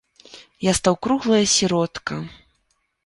Я стаў круглая сіротка.